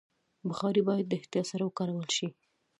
بخاري باید د احتیاط سره وکارول شي.